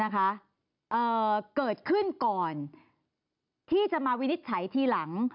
เกิดขึ้นก่อนที่จะมาวินิจฉัยทีหลัง